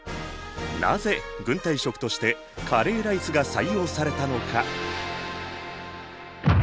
なぜ軍隊食としてカレーライスが採用されたのか？